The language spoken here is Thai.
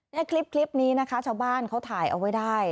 นี่คลิปนี้นะคะชาวบ้านเขาถ่ายเอาไว้ได้